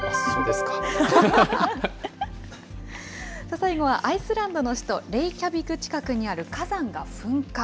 最後はアイスランドの首都レイキャビク近くにある火山が噴火。